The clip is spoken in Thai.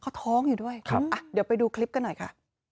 เขาท้องอยู่ด้วยครับอ่ะเดี๋ยวไปดูคลิปกันหน่อยค่ะ